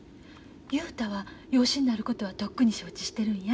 雄太は養子になることはとっくに承知してるんや。